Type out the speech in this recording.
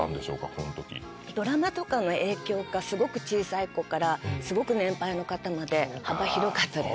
この時ドラマとかの影響かすごく小さい子からすごく年配の方まで幅広かったです